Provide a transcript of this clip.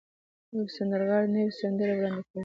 يوه سندرغاړې نوې سندرې وړاندې کوي.